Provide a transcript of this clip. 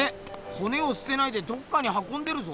ほねをすてないでどっかにはこんでるぞ！